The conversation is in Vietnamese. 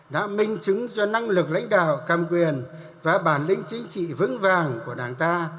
đã minh chứng cho năng lực lãnh đạo cầm quyền và bản lĩnh chính trị vững vàng của đảng ta